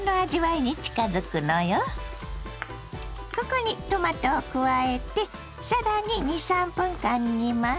ここにトマトを加えて更に２３分間煮ます。